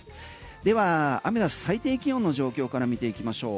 ではアメダス最低気温の状況から見ていきましょう。